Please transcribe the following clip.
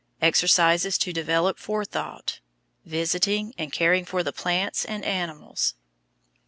Exercises to develop forethought: Visiting, and caring for, the plants and animals.